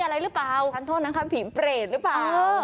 หันโทนนะค่ะผีเปรตหรือเปล่า